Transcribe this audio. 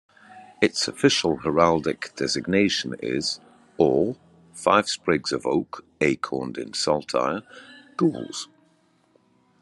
Its official heraldic designation is: Or, five sprigs of oak acorned in saltire, Gules.